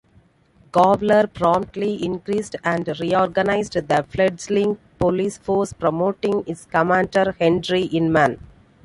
Gawler promptly increased and reorganized the fledgling police force, promoting its commander Henry Inman.